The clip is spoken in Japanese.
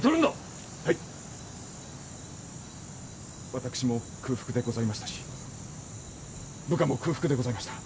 私も空腹でございましたし部下も空腹でございました。